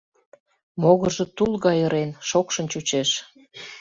Могыржо тул гай ырен, шокшын чучеш.